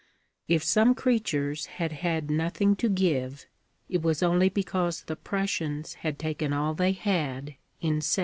If some creatures had had nothing to give, it was only because the Prussians had taken all they had, in '70.